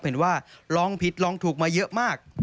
เห็นว่าร้องผิดลองถูกมาเยอะมาก